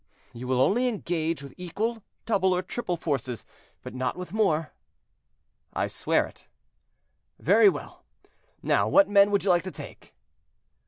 "You will only engage with equal, double, or triple forces, but not with more?" "I swear it." "Very well; now, what men would you like to take?"